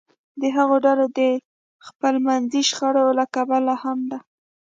د هغو ډلو د خپلمنځي شخړو له کبله هم ده